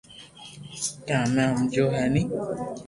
ڪي ھمي ھمجيو ھي ني